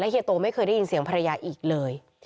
เฮียโตไม่เคยได้ยินเสียงภรรยาอีกเลย